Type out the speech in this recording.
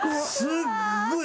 すっごい。